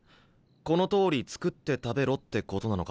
このとおり作って食べろってことなのか？